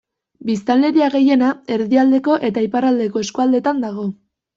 Biztanleria gehiena erdialdeko eta iparraldeko eskualdetan dago.